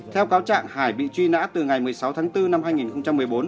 theo cáo trạng hải bị truy nã từ ngày một mươi sáu tháng bốn năm hai nghìn một mươi bốn